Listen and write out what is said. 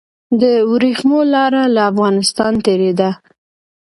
د وریښمو لاره له افغانستان تیریده